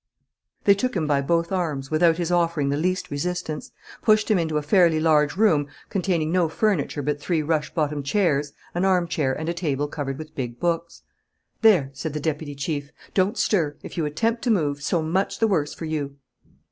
They took him by both arms, without his offering the least resistance, pushed him into a fairly large room containing no furniture but three rush bottomed chairs, an armchair, and a table covered with big books. "There," said the deputy chief. "Don't stir. If you attempt to move, so much the worse for you."